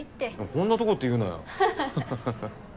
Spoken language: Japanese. こんなとこって言うなハハハ。